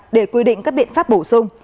để quy định các biện pháp bổ sung